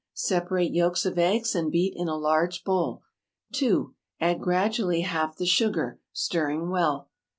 Separate yolks of eggs and beat in a large bowl. 2. Add gradually half the sugar, stirring well.